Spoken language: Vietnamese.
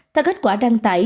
theo kết quả đăng tải